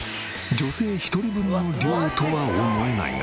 女性１人分の量とは思えないが。